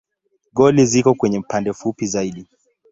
Goli ziko kwenye pande fupi zaidi.